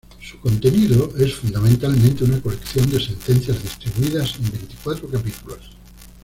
Su contenido es fundamentalmente una colección de sentencias distribuidas en veinticuatro capítulos.